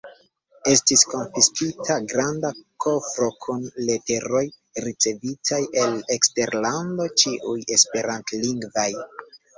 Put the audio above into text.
Estis konfiskita granda kofro kun leteroj ricevitaj el eksterlando, ĉiuj esperantlingvaj.